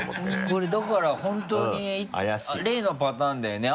これだから本当に例のパターンだよね。